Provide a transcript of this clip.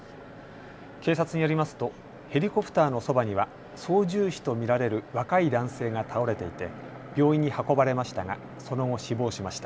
警察によりますとヘリコプターのそばには操縦士と見られる若い男性が倒れていて病院に運ばれましたが、その後、死亡しました。